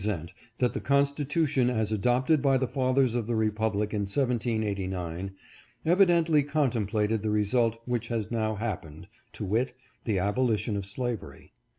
sent that the Constitution as adopted by the fathers of the Republic in 1789, evidently contemplated the result which has now happened, to wit, the abolition of slavery.